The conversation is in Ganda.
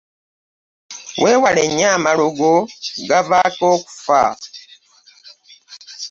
Wewale nyo amalogo gavako okuffa.